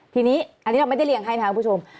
ทีนี้อันนี้เราไม่ได้เรียงให้นะครับคุณผู้ชม